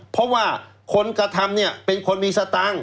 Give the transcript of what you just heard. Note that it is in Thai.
เพราะว่าคนกระทำเนี่ยเป็นคนมีสตางค์